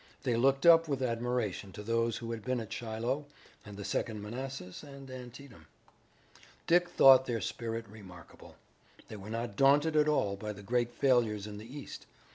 They looked up with admiration to those who had been at Shiloh, and the Second Manassas and Antietam. Dick thought their spirit remarkable. They were not daunted at all by the great failures in the east.